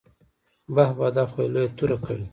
بح بح دا خو يې لويه توره کړې.